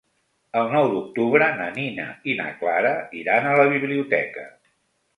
El nou d'octubre na Nina i na Clara iran a la biblioteca.